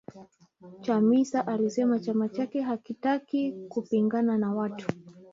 Chamisa alisema chama chake hakitaki kupigana na watu